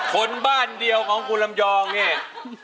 คนบ้านเดียวของคุณลำยองเนี่ย